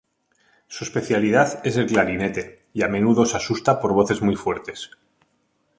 Su especialidad es el clarinete y a menudo se asusta por voces muy fuertes.